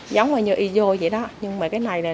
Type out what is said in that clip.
giống như iso vậy đó